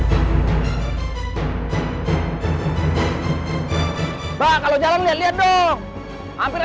tapi tetep aja aku harus waspada